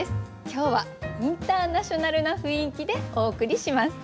今日はインターナショナルな雰囲気でお送りします。